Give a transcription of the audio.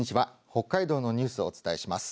北海道のニュースをお伝えします。